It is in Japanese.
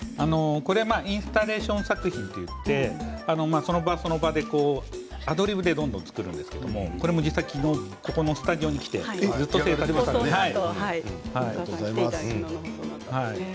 これはインスタレーション作品といってその場その場でアドリブでどんどん作るんですけれど、実際これも、ここのスタジオに来てありがとうございます。